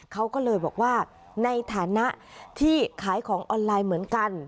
เขาก็เลยบอกว่าในฐานะที่ขายของออนไลน์เหมือนกัน